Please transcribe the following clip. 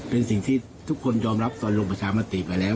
เป็นสิ่งที่ทุกคนยอมรับตอนลงประชามติไปแล้ว